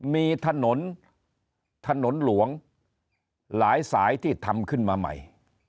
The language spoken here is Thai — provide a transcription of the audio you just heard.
มีถนนถนนหลวงหลายสายที่ทำขึ้นมาใหม่